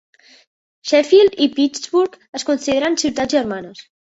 Sheffield i Pittsburgh es consideren ciutats germanes.